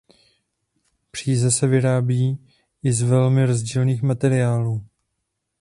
Příze se vyrábí i z velmi rozdílných materiálů.